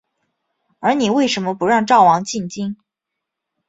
而你为甚么不让赵王进京？